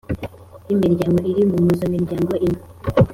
y imiryango iri mu mpuzamiryango imwe